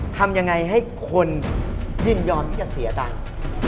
ทำยังไงให้คนยินยอมที่จะเสียตังค์